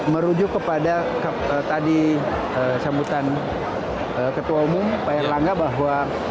merujuk kepada tadi sambutan ketua umum pak erlangga bahwa